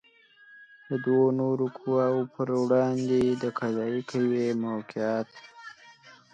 د دوو نورو قواوو پر وړاندې د قضائیه قوې موقعیت